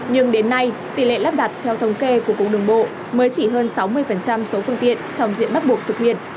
nhưng đến nay tỷ lệ lắp đặt theo thống kê của cục đường bộ mới chỉ hơn sáu mươi số phương tiện trong diện bắt buộc thực hiện